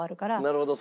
なるほど。